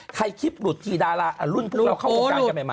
คลิปหลุดทีดารารุ่นพวกเราเข้าวงการกันใหม่